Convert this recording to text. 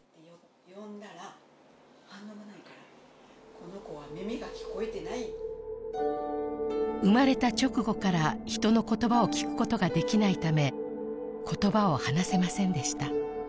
呼んだら反応がないからこの子は耳が聞こえてない生まれた直後から人の言葉を聞くことができないため言葉を話せませんでした